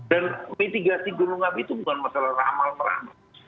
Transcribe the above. dan mitigasi gunung api itu bukan masalah ramal ramal